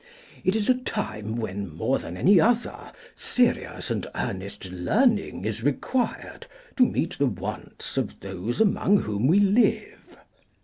It is a time when, more than any other, serious and earnest learning is required to meet the wants of those among whom we live.